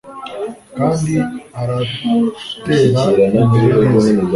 Kandi uratera imbere neza